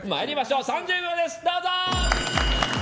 ３０秒です、どうぞ。